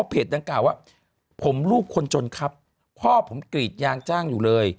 ดังกล่าวว่าผมลูกคนจนครับพ่อผมกรีดยางจ้างอยู่เลย